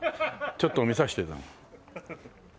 ちょっと見させて。